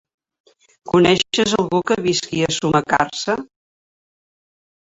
Coneixes algú que visqui a Sumacàrcer?